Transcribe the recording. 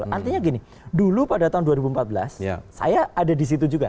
artinya gini dulu pada tahun dua ribu empat belas saya ada di situ juga